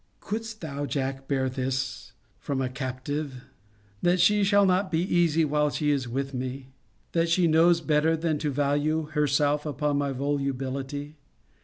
[Couldst thou, Jack, bear this from a captive!] 'That she shall not be easy while she is with me? That she knows better than to value herself upon my volubility?